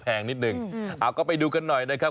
แพงนิดนึงเอาก็ไปดูกันหน่อยนะครับ